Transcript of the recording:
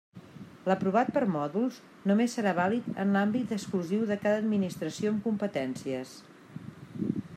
L'aprovat per mòduls només serà vàlid en l'àmbit exclusiu de cada Administració amb competències.